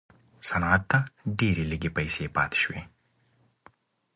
صنعت ته ډېرې لږې پیسې پاتې شوې.